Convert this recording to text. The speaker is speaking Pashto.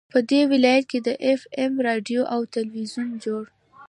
په دې ولايت كې د اېف اېم راډيو او ټېلوېزون جوړ